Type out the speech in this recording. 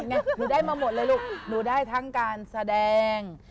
หนูได้มาหมดเลยลูกหนูได้ทั้งการแสดง